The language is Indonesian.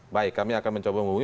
baik kami akan mencoba menghubungi